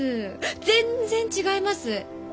全然違います！